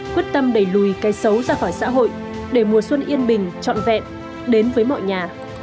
quyết tâm đẩy lùi cái xấu ra khỏi xã hội để mùa xuân yên bình trọn vẹn đến với mọi nhà